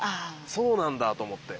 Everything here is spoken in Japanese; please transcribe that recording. そうなんだと思って。